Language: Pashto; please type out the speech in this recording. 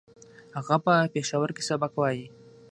هغه په پېښور کې سبق وايي